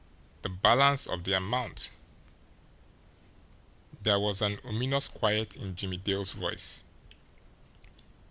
"The balance of the amount." There was an ominous quiet in Jimmie Dale's voice.